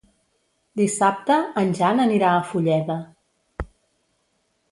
Dissabte en Jan anirà a Fulleda.